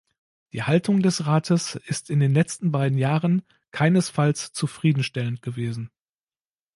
Die Haltung des Rates ist in den letzten beiden Jahren keinesfalls zufriedenstellend gewesen.